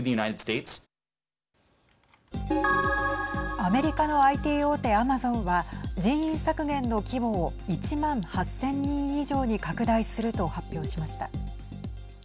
アメリカのＩＴ大手アマゾンは人員削減の規模を１万８０００人以上に拡大すると発表しました。